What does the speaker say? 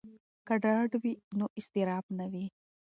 که ډاډ وي نو اضطراب نه وي.